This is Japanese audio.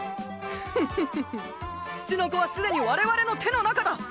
フフフツチノコはすでに我々の手の中だ。